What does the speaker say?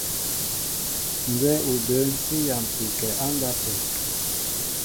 Nzɛ́ɛ́ o də̌ŋ sí yámpi kɛ́ á ndápə̂.